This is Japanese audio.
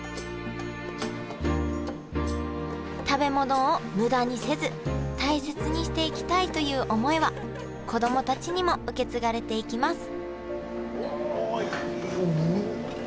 食べ物を無駄にせず大切にしていきたいという思いは子供たちにも受け継がれていきます